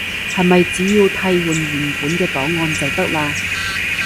係咪只要替換原本嘅檔案就得喇？